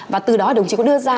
và từ đó đồng chí có đưa ra